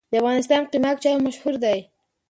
د افغانستان قیماق چای مشهور دی